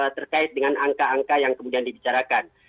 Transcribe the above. terkait dengan angka angka yang kemudian dibicarakan